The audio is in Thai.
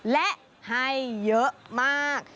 และให้เยอะมาก